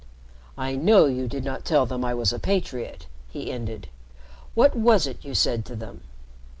"I know you did not tell them I was a patriot," he ended. "What was it you said to them?"